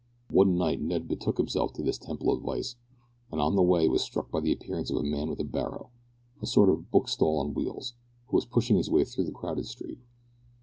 One night Ned betook himself to this temple of vice, and on the way was struck by the appearance of a man with a barrow a sort of book stall on wheels who was pushing his way through the crowded street.